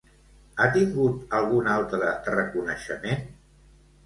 Ha tingut algun altre reconeixement?